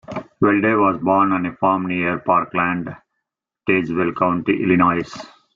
Velde was born on a farm near Parkland, Tazewell County, Illinois.